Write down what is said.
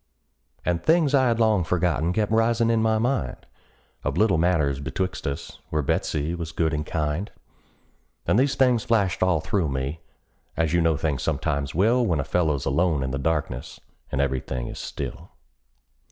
And things I had long forgotten kept risin' in my mind, Of little matters betwixt us, where Betsey was good and kind; And these things flashed all through me, as you know things sometimes will When a feller's alone in the darkness, and every thing is still.